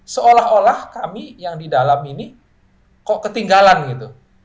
seolah olah kami yang di dalam ini kok ketinggalan gitu